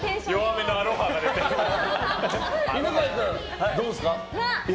犬飼君、どうですか？